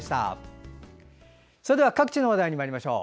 それでは各地の話題にまいりましょう。